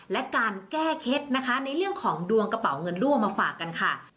และการแก้เคล็ดนะคะในเรื่องของดวงกระเป๋าเงินรั่วมาฝากกันค่ะ